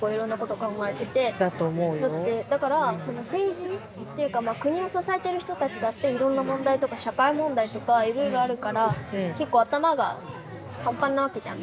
だからその政治っていうかまあ国を支えてる人たちだっていろんな問題とか社会問題とかいろいろあるから結構頭がパンパンなわけじゃん。